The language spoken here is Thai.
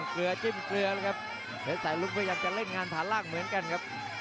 เกลือจิ้มเกลือแล้วครับเพชรสายลุกพยายามจะเล่นงานผ่านล่างเหมือนกันครับ